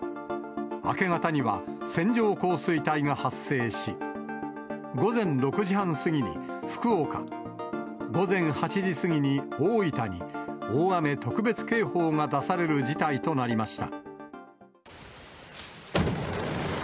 明け方には線状降水帯が発生し、午前６時半過ぎに福岡、午前８時過ぎに大分に、大雨特別警報が出される事態となりました。